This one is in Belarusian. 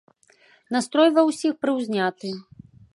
Настрой ува ўсіх прыўзняты.